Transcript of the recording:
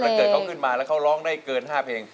เกิดเขาขึ้นมาแล้วเขาร้องได้เกิน๕เพลง